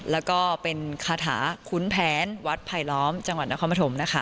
แล้วก็เป็นคาถาคุ้นแผนวัดไผลล้อมจังหวัดนครปฐมนะคะ